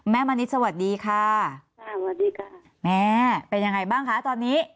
แม่มันเนตจิสนค่ะแม่เป็นยังไงบ้างค่ะตอนนี้